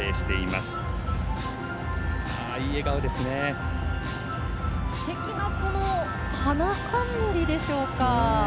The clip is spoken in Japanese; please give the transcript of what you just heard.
すてきな花冠でしょうか。